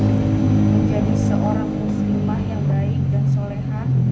menjadi seorang muslimah yang baik dan soleha